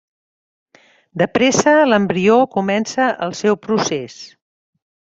De pressa l'embrió comença el seu procés.